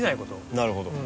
なるほど。